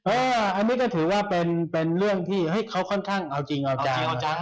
อันนี้ก็ถือว่าเป็นเรื่องที่เขาค่อนข้างเอาจริงเอาจัง